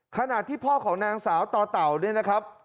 ขณะที่พ่อของนางสาวต่อเต่าเนี่ยนะครับ